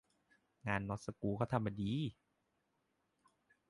งานน๊อตสกรูเค้าทำมาดี